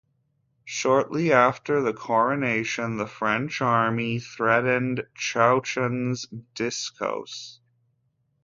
Shortly after the coronation, the French army threatened Cauchon's diocese.